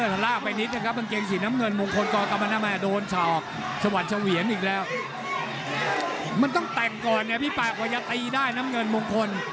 หลังอย่างเดแย่ที่เดอร์